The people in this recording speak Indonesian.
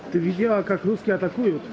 tu vidya kak ruski atakuyut